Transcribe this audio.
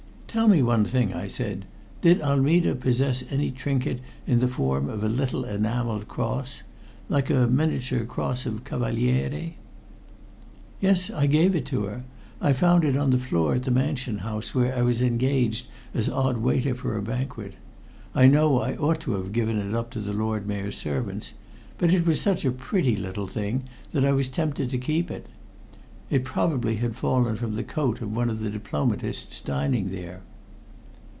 "Tell me one thing," I said. "Did Armida possess any trinket in the form of a little enameled cross like a miniature cross of cavaliere?" "Yes; I gave it to her. I found it on the floor at the Mansion House, where I was engaged as odd waiter for a banquet. I know I ought to have given it up to the Lord Mayor's servants, but it was such a pretty little thing that I was tempted to keep it. It probably had fallen from the coat of one of the diplomatists dining there."